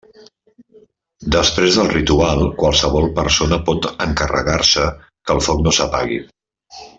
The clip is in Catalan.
Després del ritual, qualsevol persona pot encarregar-se que el foc no s'apagui.